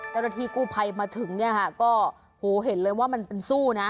เจ้าหน้าที่กู้ภัยมาถึงเนี่ยค่ะก็โหเห็นเลยว่ามันเป็นสู้นะ